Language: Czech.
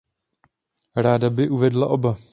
Ráda bych uvedla oba.